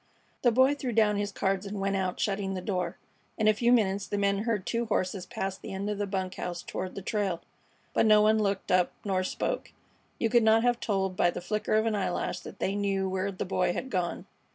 The Boy threw down his cards and went out, shutting the door. In a few minutes the men heard two horses pass the end of the bunk house toward the trail, but no one looked up nor spoke. You could not have told by the flicker of an eyelash that they knew where the Boy had gone.